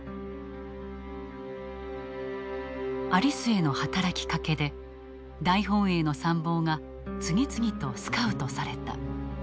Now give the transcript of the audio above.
有末の働きかけで大本営の参謀が次々とスカウトされた。